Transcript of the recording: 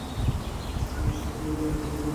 উমেশ হাঁ করিয়া দাঁড়াইয়া রহিল।